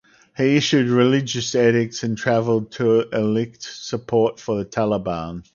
He issued religious edicts and travelled to elicit support for the Taliban.